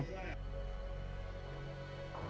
โดยเธอยืนยันว่าจะไม่ทำให้สังคมผิดหวังซ้ำอีกเป็นอันขาด